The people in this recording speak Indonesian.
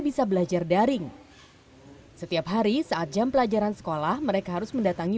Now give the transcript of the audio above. bisa belajar daring setiap hari saat jam pelajaran sekolah mereka harus mendatangi